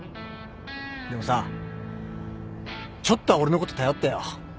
でもさちょっとは俺のこと頼ってよ。